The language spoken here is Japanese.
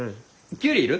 キュウリ要る？